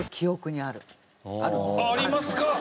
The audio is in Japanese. あっありますか？